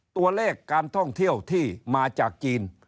ตัวเลขการท่องเที่ยวที่มาจากจีน